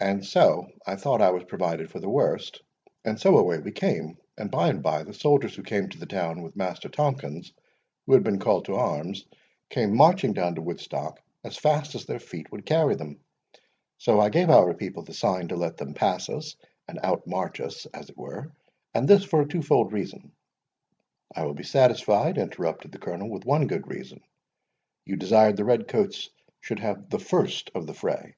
And so I thought I was provided for the worst, and so away we came; and, by and by, the soldiers who came to the town with Master Tomkins, who had been called to arms, came marching down to Woodstock as fast as their feet would carry them; so I gave our people the sign to let them pass us, and out march us, as it were, and this for a twofold reason." "I will be satisfied," interrupted the Colonel, "with one good reason. You desired the red coats should have the first of the fray?"